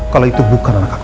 kalau itu bukan anak anak